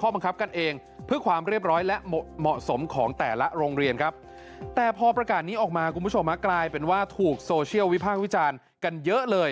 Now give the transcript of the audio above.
ข้อบังคับกันเองเพื่อความเรียบร้อยและเหมาะสมของแต่ละโรงเรียนครับแต่พอประกาศนี้ออกมาคุณผู้ชมกลายเป็นว่าถูกโซเชียลวิพากษ์วิจารณ์กันเยอะเลย